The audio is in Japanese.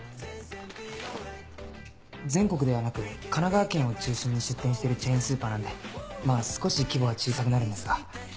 全国ではなく神奈川県を中心に出店してるチェーンスーパーなんでまぁ少し規模は小さくなるんですが。